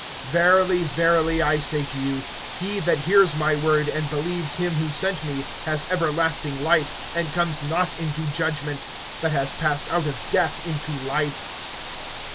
(24)Verily, verily, I say to you, he that hears my word, and believes him who sent me, has everlasting life, and comes not into judgment, but has passed out of death into life.